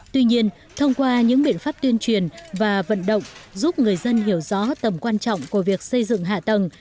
tuy nhiên thông qua những biện pháp tuyên truyền và vận động giúp người dân hiểu rõ tầm quan trọng của việc xây dựng hạ tầng